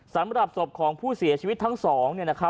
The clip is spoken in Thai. สำหรับศพของผู้เสียชีวิตทั้งสอง